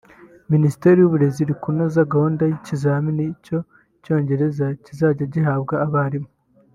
Minisiteri y’Uburezi iri kunoza gahunda y’ikizamini cy’Icyongereza kizajya gihabwa abarimu